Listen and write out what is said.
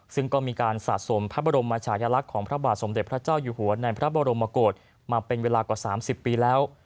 ซึ่งก็มีการสะสมพระบรมชายลักษณ์ของพระบาทสมเด็จพระเจ้าอยู่หัวในพระบรมกฏมาเป็นเวลากว่า๓๐ปีแล้ว